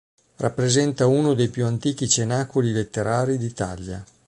Rappresenta uno dei più antichi cenacoli letterari d'Italia.